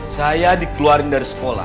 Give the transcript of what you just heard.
saya dikeluarin dari sekolah